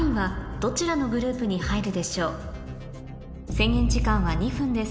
制限時間は２分です